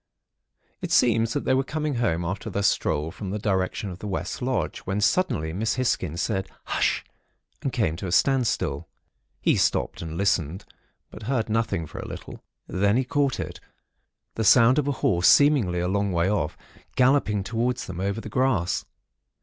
It seems that they were coming home after their stroll, from the direction of the West Lodge; when, suddenly, Miss Hisgins said, 'Hush!' and came to a standstill. He stopped, and listened; but heard nothing for a little. Then he caught it——the sound of a horse, seemingly a long way off, galloping towards them over the grass.